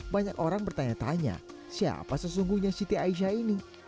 banyak orang bertanya tanya siapa sesungguhnya siti aisyah ini